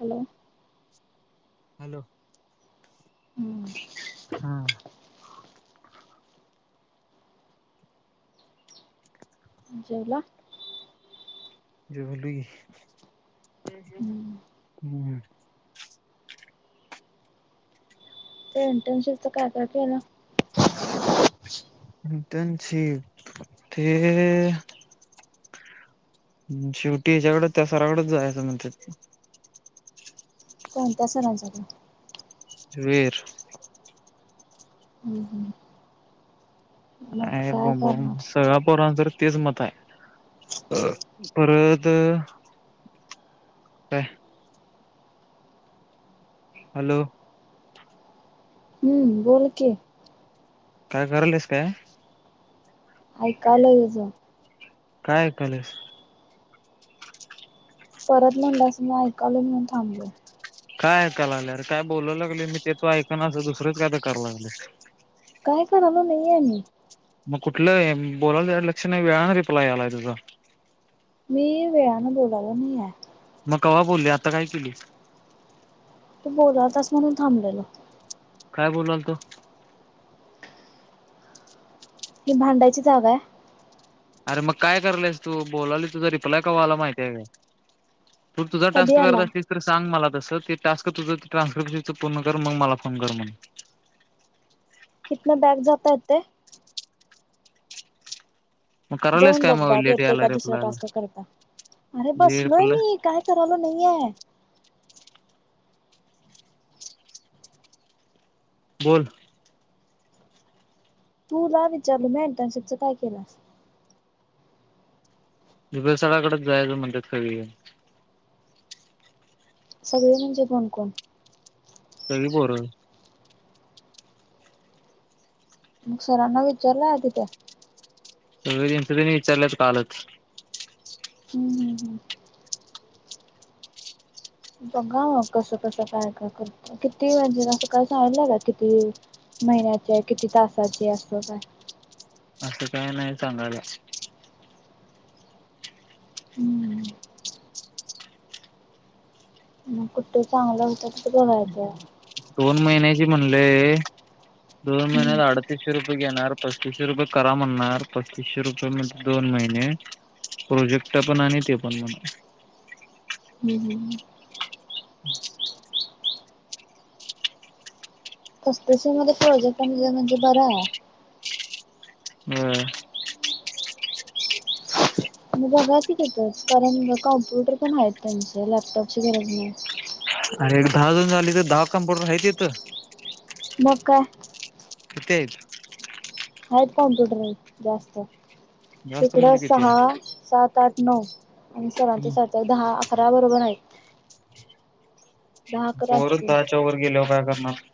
Hello hello. हम्म. हा जेवला. जेवलो हम्म कि हम्म. तर इंटर्नशिपच काय काय केलं. इनटनशिप ते. शेवटी याच्याकड त्या सराकडेच जायचं म्हण कोणत्या सरांचाकडं वेर हम्म हम्म मग अ काय बोंबाबोंब करणार सगळ पोरांच तर तेच मत आहे अ परत काय. हॅलो. हम्म बोल कि. काय कारल्यास काय. ऐकायलोय तुज काय ऐकाल्यास. परत म्हणलास म ऐकाल म्हणून थांबलो. काय ऐकायला लागलं अर काय बोला लागले मी ते तू ऐक असं दुसरंच काय तर कराला लागल्यास काय करालोय नाही आहे मी मग कुठलं बोलायला त्या लक्ष नाही वेळाने रिप्लाय यालय तुझा. मी वेळाने बोलाला नाही आहे मग कवा बोलले आता काय केली. तू बोला तस म्हणून थांबलेलो काय बोलाल तो. हि भांडायची जागा आहे. अरे मग काय करलयस तू बोलाली तुझा रिप्लाय कवा आलाय माहिती आहे काय तू तुझा कधी टास्क करत आला असीलस तर सांग मला. तस ते टास्क तुझं ट्रान्स्क्रिप्शन पूर्ण कर मग मला फोन कर म्हण इतन बॅग जात येतंय. मग करायलास जाऊन काय बघ मग बॅक लेट येते यायला का दुसरा रिप्लायला टास्क करता. अरे जे बसलोय रिप्लाय मी काय करायलो नाहीेये. बोल. तू ला विचारल मी इंटर्नशिपच काय केलास. दिुबे सरकाडेच जायचं म्हणतात सगळी जण. सगळे म्हणजे कोणकोण. सगळी पोर. म सरांना विचारलं आहे तिथे. सगळं तेंच तेनी विचारलंत कालच. हम्म हम. बघा ह कसं कसं काय काय करत किती म्हणजे कसं काय सांगलं का किती. महिन्याचे किती तासाचे असो काय? असं काय नाही सांगायला. हम्म कुठं चांगलं होतं तिथं बघायचं. दोन महिन्याची म्हणले दोन हम्म महिन्यात अडतीसशे रुपये घेणार पस्तीसशे रुपये करा म्हणणार पस्तीसशे रुपये म्हणजे दोन महिने. प्रोजेक्ट पण आणि ते पण म्हणा. हम्म हम्म [unintelligible] पस्तीसशें मध्ये प्रोजेक्ट आणि म्हणजे बर आहे. हम. मग बघा की तिथेच कारण कॉम्प्युटर पण आहेत त्यांचे लॅपटॉपची गरज नाही. अरे एक दहा जण झाली तर दहा कम्प्युटर आहेती हित. मग काय. किती आहेत. आहेत कॉम्प्युटर आहेत जास्त जास्त हिकडं म्हणजे किती सहा सात आठ नऊ. आणि सरांच्या सरचा दहा अकरा बरोबर आहे. दहा अकरा पोर असतील दहा च्यावर गेल्यावर काय करणार.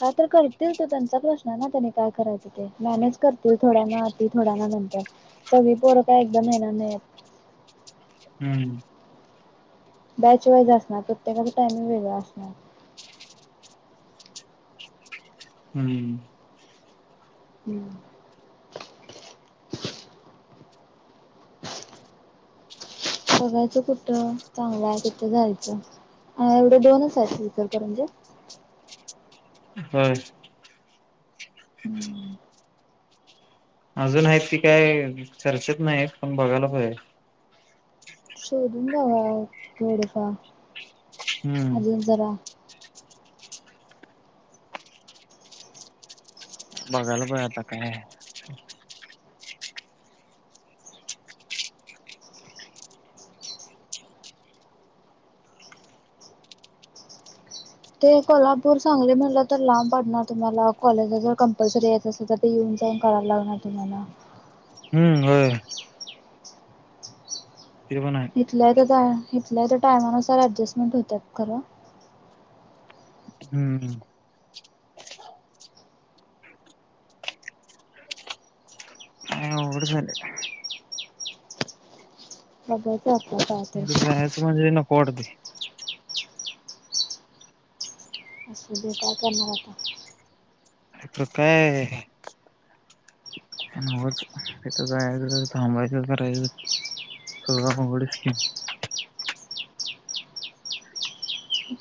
काय तर करतील तो त्यांचा प्रश्न ना त्यानी काय करायचं ते मॅनेज करतील थोड्यांना अ थोड्यांना सगळी पोरं काय एकदाम महिना नाही. हम्म. बॅच वाईज असणार प्रत्येकाचा टाइमिंग वेगळा असणार. हम्म हम्म. बघायचं कुठं चांगलं आहे तिथं जायचं? अ एवढ दोनच आहेत इचलकरंजीत. होय. अजून आहेत ती काय चर्चेत नाही पण बघायला पाहिेजे. शोधून बघा थोडेफार हम्म अजून जरा. बघायला पहिजे आता काय? ते कोल्हापूर सांगली म्हटलं तर लांब पडणार तुम्हाला कॉलेज जर कंपल्सरी यायचं असल तर येऊन. एजन करायला लागणार तुम्हाला. हम्म होय. ते पण आहे हथल्याय तर हथल्या तर टायमानुसार ऍडजस्टमेंट होतात खरं. हम्म. काय अवघड झाले. बघयच आपल्या काय तर. तिकडं जायचं म्हणजे नको वाटतंय. असं बर काय करणार आता. [unintelligible] तिथ जायचं थांबायचं करायचं. हो अवघड आहे.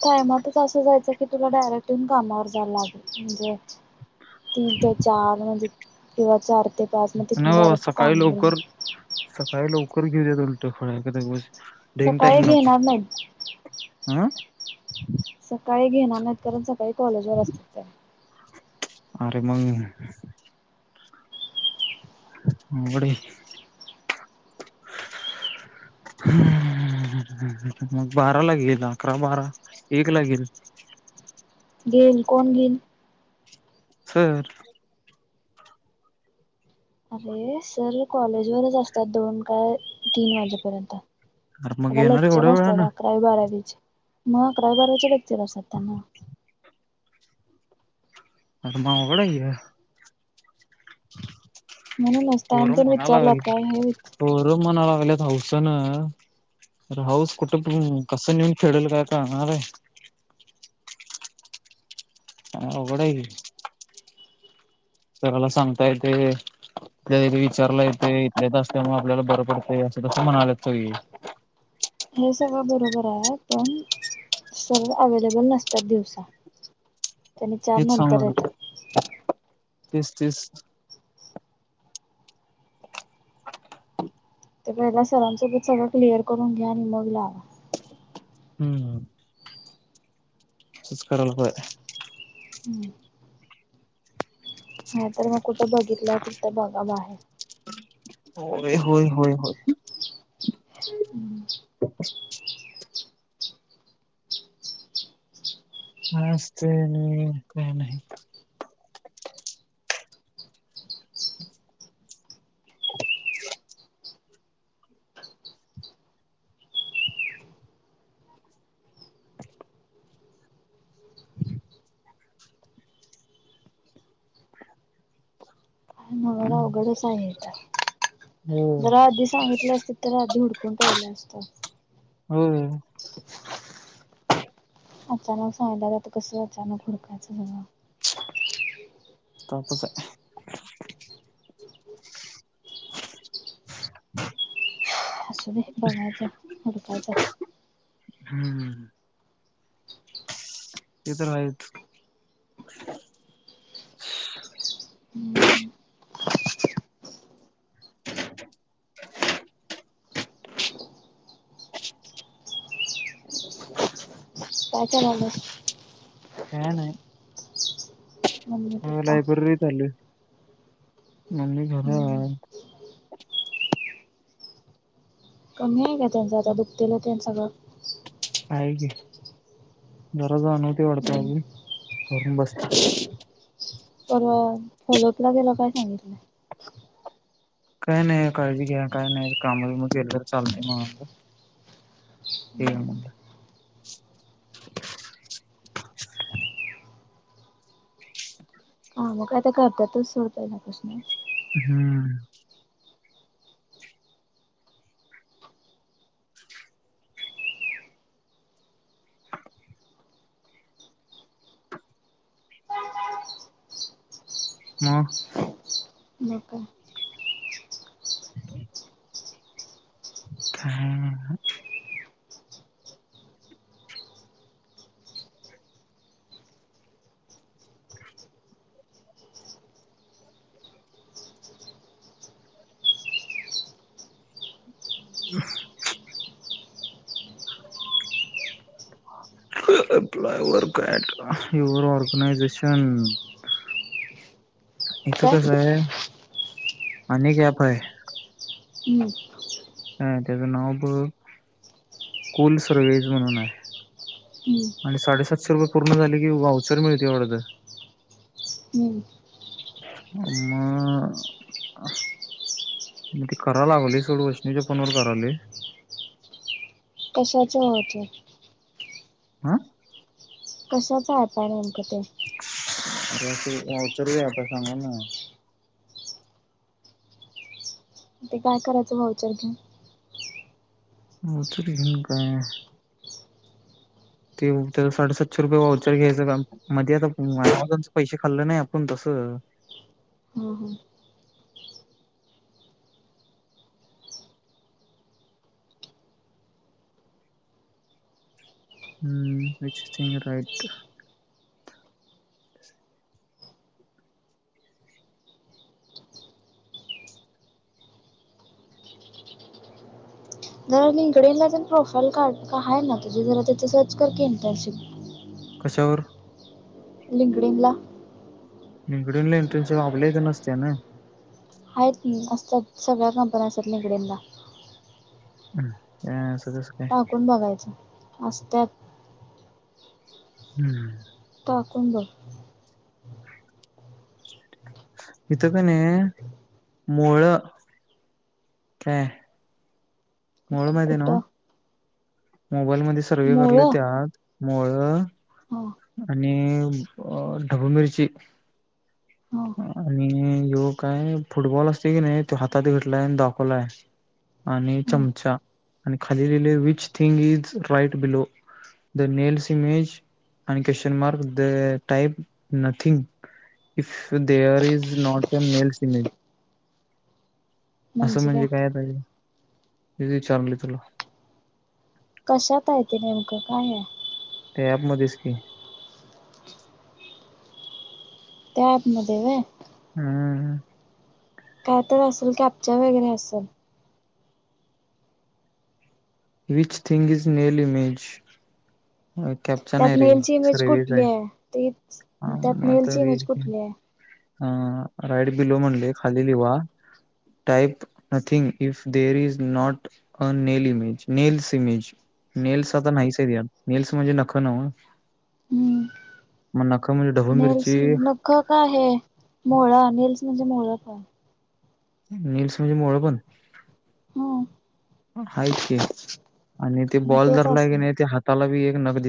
टायमातच असं जायचं की तुला डायरेक्ट येऊन कामावर जायला लागेल म्हणजे तीन ते चार म्हणजे किंवा चार ते पाच मग तितन डायरेक्ट तू काम कर काहि लवकर गेल्यात उलट ढेंग टाईम सकाळी नको घेणार नाहीत. हं. सकाळी घेणार नाहीत कारण सकाळी कॉलेज वर असतात त्या अरे मग अवघड आहे. मग बाराला घेईल अकरा बारा एकला घेईल. गेल कोण गेल सर. अरे सर कॉलेजवरच असतात दोन काय तीन वाजेपर्यंत अरे मग त्याला येणार एवढ्या लेक्चर असतात वेळानं अकरावी बारावी मग अकरावी बारावीच लेक्चर असतात त्यांना आता मग अवघड आहे कि ग म्हणूनच पोर टाइम तेन विचारलात काय हे विच म्हणायलागल्य म्हणालागल्यात हावसन अरे हाऊस कुठं पण कसं नेऊन फेडल काय काळणाराय काय अवघड हाय कि सराला सांगताय ते त्या वेळी विचारला येतय इथल्या इथ असल्यामुळ आपल्याला बरं पडतंय अस तसं म्हणाल्यात सगळी [inaudible] हे सगळं बरोबर हाय. पण सर अवेलेबल नसतात दिवसा त्यांनी चार तेच नंतर सांग येतात तेच तेच ते पहिला सरांसोबत सगळं क्लिअर करून घ्या आणि मग लावा हम्म तेच करायला पाहि हा तर मग कुठं बघितला तिथ बघा बाहेर होय होय होय होय हम्म य असतय आणि काय नाही. सगळ अवघडच आहे हे हो इथं जरा आधी सांगितल असतीत तर आधी हुडकून ठेवलं असत होय अचानक सांगितल्यात आता कस अचानक हुडकायचं सगळं तापच आहे. असू दे बघायचं हुडकायच हम्म ते तर हायच हम्म, काय कराल्यात काय मम्मी ह पप्पा लायब्रररीत आलोय मम्मी घरी हम्म, आहे. कमी आहे का त्यांचं आता दुखतेल तेन सगळं आहे कि. दररोज अनोळखी वाढत हम्म, भरून बसत्या पर फॉलपला गेला काय सांगितलं काय नाही काळजी घ्या काय नाही कामा मग गेलं तर चालतय म्हणालत ते म्हण [inaudible] हा मग आता करतातच सोड पहील्यापसन हम्म मग मग काय [inaudible] हा [unintelligible] [unintelligible] [unintelligible] इथं काय कस हांय आणि एक व्याप हाय. हम्म, ह त्याचं नाव ब कुल सर्वेज म्हणून हाय हम्म, आणि साडेसातशे रुपये पूर्ण झाले कि वाउचर मिळतय वाढत हम्म. म..... [unintelligible] म ती कराय लागलोय सोड वैष्णवीच्या फोनवर करालोय कशाच होते. हा कशाच हात पाय गरम करते. [unintelligible] अरे उचर आता सांगा ना ते काय करायचं व्हाउचर. उतरी घन का आहे. ते त्या साडेसातशे रुपये वउचर घ्यायचं मध्ये आता अमझॉनचे पैसे खाल्ल नाही आपण तसं, हम! ह ह हम्म विच थिंग राईट. जरा लिंकडे प्रोफाईल का आहे ना तिथे जरा तिथे सर्च करतील इंटर्नशिप. कशावर. लिंगडिंगला निगडीलान इंटरशिप आपल्या इथे नसताना! आहेत असतात सगळ्या कंपन्या असतात निकडेनला. ह ह टाकून बघायचं असत्यात. हम्म! टाकून बघ. इथं का नाही मुळं काय. मोळ कुठं माहिती आहे नव कुठं मोबाईल मध्ये सर्वे करायला मुळं त्यात. मोळ हां आणि अ ढबू मिरची हा. आणि यो काय फुटबॉल असते की नाही तो हातात घेतलाय दाखवलाय. आणि हां चमचा आणि खाली लिहिलंय which thing is right below? The nails image आणि question mark the type nothing if there is not a nail cement. असं म्हणजे काय पाहिजे. हेे विचारली तरी. कशात आहे ते नेमकं काय आहे. हे ॲप मध्येच की, त्या ॲप मध्ये होय. हम्म! काय तो असेल कॅप्चर वगैरे असेल. Which thing is nail image. Capture नाही त्यात नेलची इमेज आहे रे! कुठली आहे ते त्यात नेलची इमेज [unintelligible] कुठली आहे ह राईड बिलो म्हणली खालीली वा. Type nothing if there is not a nail image nails image. Nails आता नाहीच या नेल्स म्हणजे नख नव? हम्म. नेल्स नख काय आहे मोळा नेल्स म्हणजे मोळा काय नल्स म्हणजे मोळ पण, ह ऐक कि आणि ते मग बॉल तेच धरलाय की असं नाही ते हाताला बी एक नख